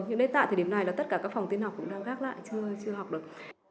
nhưng đến tại thời điểm này là tất cả các phòng tiên học cũng đang gác lại chưa học được